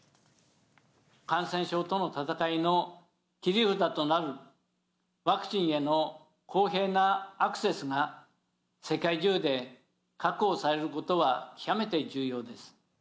感染症との闘いの切り札となる、ワクチンへの公平なアクセスが、世界中で確保されることは極めて重要です。